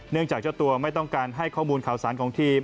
จากเจ้าตัวไม่ต้องการให้ข้อมูลข่าวสารของทีม